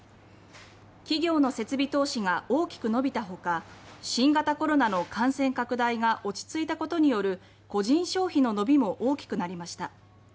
企業の設備投資が大きく伸びたほか新型コロナの感染拡大が落ち着いたことによる個人消費の伸びも大きくなりました。